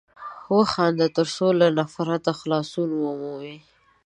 وخانده تر څو له نفرته خلاصون ومومې!